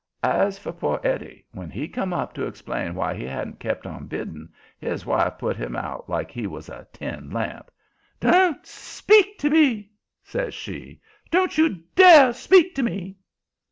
As for poor Eddie, when he come up to explain why he hadn't kept on bidding, his wife put him out like he was a tin lamp. "Don't SPEAK to me!" says she. "Don't you DARE speak to me."